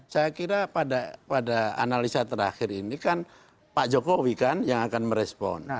saya kira pada analisa terakhir ini kan pak jokowi kan yang akan merespon